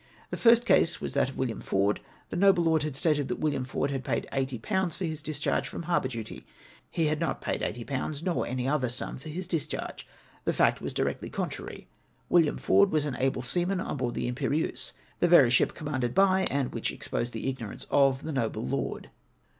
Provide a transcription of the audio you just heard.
The first case was that of William Ford. The noble lord had stated that Wil liam Ford had paid 80/. for his discharge from harbour duty. He had not paid 80/. nor any other sum for his discharge. The fact was directly contrary. William Ford was an able seaman on board the ImperieusG, the very ship commanded by, and which exposed the ignorance of, the noble lord.